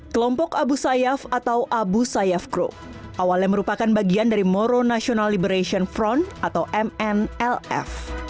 kelompok abu sayyaf atau abu sayyaf group awalnya merupakan bagian dari moro national liberation front atau mnlf